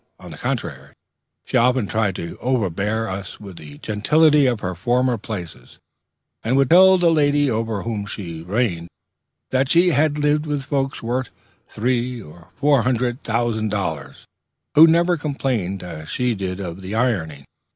On the contrary, she often tried to overbear us with the gentility of her former places; and would tell the lady over whom she reigned, that she had lived with folks worth their three and four hundred thousand dollars, who never complained as she did of the ironing.